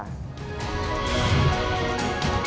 tentara kamanan rakyat